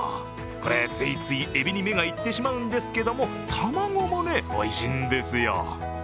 これ、ついついえびに目がいってしまうんですけど卵もね、おいしいんですよ。